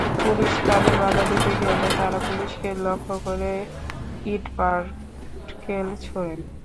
Police তাঁদের বাধা দিতে গেলে তাঁরা পুলিশকে লক্ষ্য করে ইটপাটকেল ছোড়েন।